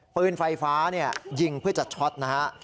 ปืนไฟฟ้ายิงเพื่อจัดช็อตนะครับ